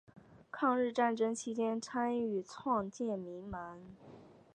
抗日战争期间参与创建民盟。